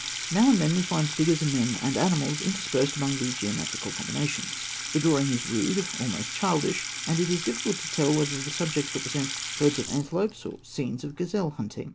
Now and then we find figures of men and animals interspersed among the geometrical combinations. The drawing is rude, almost childish; and it is difficult to tell whether the subjects represent herds of antelopes or scenes of gazelle hunting.